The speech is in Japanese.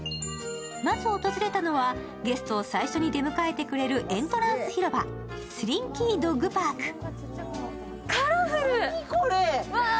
まず訪れたのはゲストを最初に出迎えてくれるエントランス広場スリンキー・ドッグパーク。